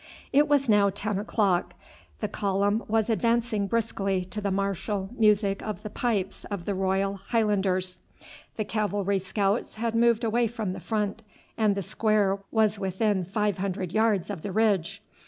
It was now ten o'clock, the column was advancing briskly to the martial music of the pipes of the Royal Highlanders, the cavalry scouts had moved away from the front, and the square was within five hundred yards of the ridge.